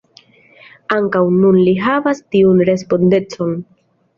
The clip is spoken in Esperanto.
Ankaŭ nun li havas tiun respondecon.